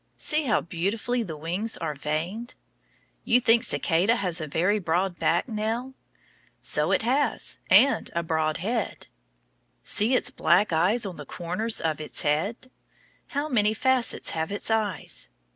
See how beautifully the wings, are veined. You think cicada has a very broad back, Nell? So it has, and a broad head. See its black eyes on the corners of its head! How many facets have its eyes?